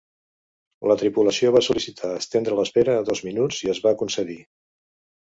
La tripulació va sol·licitar estendre l'espera a dos minuts, i es va concedir.